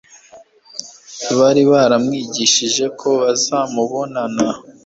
bari baramwigishije ko bazamubonana,